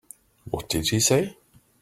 What did she say?